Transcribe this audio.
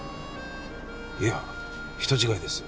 いや人違いです。